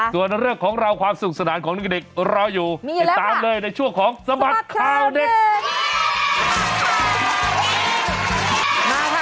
ส่วนเรื่องของเราความสุขสนานของเด็กรออยู่ติดตามเลยในช่วงของสบัดข่าวเด็ก